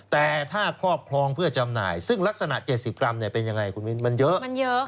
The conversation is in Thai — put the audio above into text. แต่ถ้าครอบครองเพื่อจำหน่ายซึ่งลักษณะ๗๐กรัมเป็นยังไงคุณมินมันเยอะ